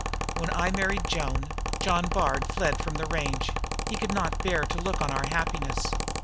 "When I married Joan, John Bard fled from the range; he could not bear to look on our happiness.